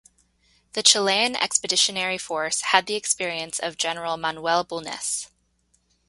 The Chilean Expeditionary Force had the experience of General Manuel Bulnes.